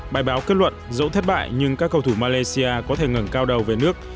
bài báo kết luận dẫu thất bại nhưng các cầu thủ malaysia có thể ngừng cao đầu về nước